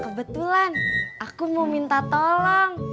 kebetulan aku mau minta tolong